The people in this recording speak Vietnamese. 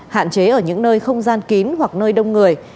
hạn chế ở những nơi không gian kín hoặc nơi đông người